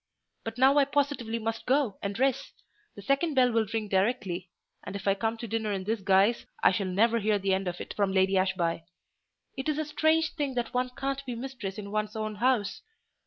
But now I positively must go and dress: the second bell will ring directly, and if I come to dinner in this guise, I shall never hear the end of it from Lady Ashby. It's a strange thing one can't be mistress in one's own house!